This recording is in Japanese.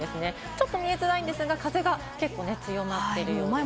ちょっと見えづらいんですが風が結構強まっている。